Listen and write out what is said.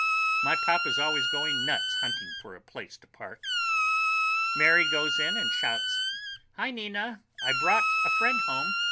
My pop is always going nuts hunting for a place to park. Mary goes in and shouts, "Hi, Nina! I brought a friend home.